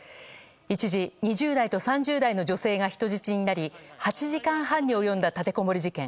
一時２０代と３０代の女性が人質になり８時間半に及んだ立てこもり事件。